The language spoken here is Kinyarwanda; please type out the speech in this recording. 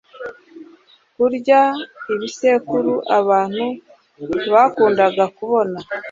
kurya ibisekuru abantu bakundaga kubona